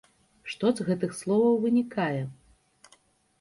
Што з гэтых словаў вынікае?